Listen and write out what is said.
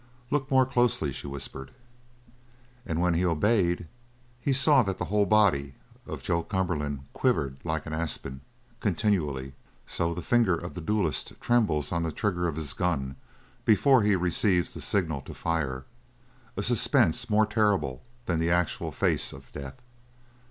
"Look more closely," she whispered. And when he obeyed, he saw that the whole body of Joe Cumberland quivered like an aspen, continually. So the finger of the duellist trembles on the trigger of his gun before he receives the signal to fire a suspense more terrible than the actual face of death.